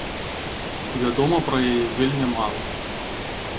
Вядома пра яе вельмі мала.